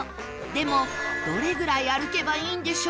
でもどれぐらい歩けばいいんでしょう？